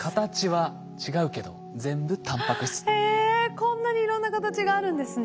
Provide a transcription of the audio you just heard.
こんなにいろんな形があるんですね。